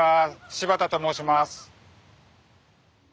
柴田と申します。